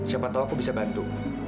siapa tahu aku bisa bantu